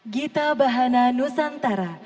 gita bahana nusantara